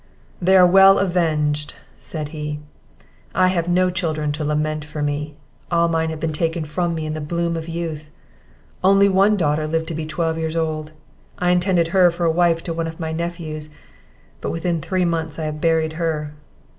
"They are well avenged!" said he. "I have no children to lament for me; all mine have been taken from me in the bloom of youth; only one daughter lived to be twelve years old; I intended her for a wife for one of my nephews, but within three months I have buried her."